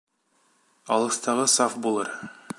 Алыҫтағы саф булыр